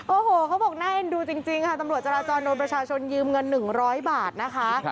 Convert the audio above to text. โอ้โหเขาบอกน่าเอ็นดูจริงค่ะตำรวจจราจรโดนประชาชนยืมเงิน๑๐๐บาทนะคะ